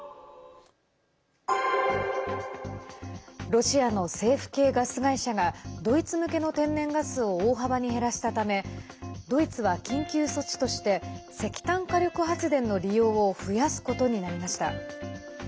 ロシアの政府系ガス会社がドイツ向けの天然ガスを大幅に減らしたためドイツは緊急措置として石炭火力発電の利用を増やすことになりました。